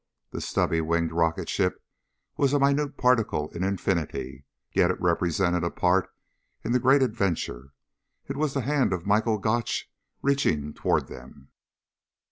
The stubby winged rocket ship was a minute particle in infinity, yet it represented a part in the great adventure. It was the hand of Michael Gotch reaching toward them.